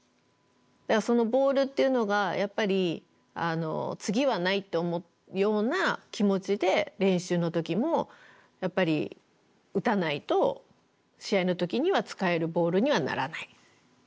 そのボールっていうのがやっぱり次はないって思うような気持ちで練習の時も打たないと試合の時には使えるボールにはならない。